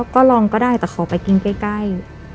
ก็ลองก็ได้แต่ขอไปกินใกล้